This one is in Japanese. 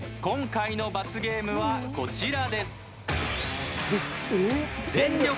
今回の罰ゲームはこちらです。